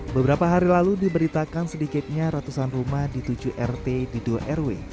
beberapa hari lalu diberitakan sedikitnya ratusan rumah di tujuh rt di dua rw